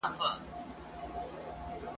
كه دامونه د شيطان وي او كه نه وي !.